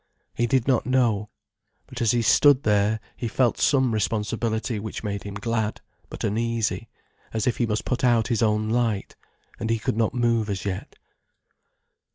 He did not know. But as he stood there he felt some responsibility which made him glad, but uneasy, as if he must put out his own light. And he could not move as yet.